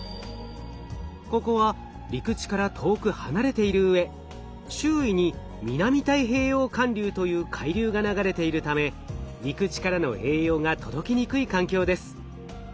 ここは陸地から遠く離れているうえ周囲に南太平洋環流という海流が流れているため陸地からの栄養が届きにくい環境です。